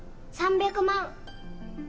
３００万。